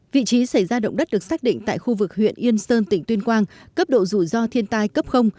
vị trí xảy ra động đất được xác định tại khu vực huyện yên sơn tỉnh tuyên quang cấp độ rủi ro thiên tai cấp